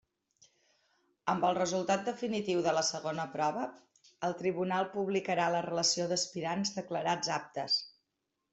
Amb el resultat definitiu de la segona prova, el tribunal publicarà la relació d'aspirants declarats aptes.